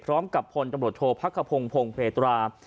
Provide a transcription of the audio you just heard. พร้อมกับพลตำรวจโทษพักขพงพงศ์เพตรา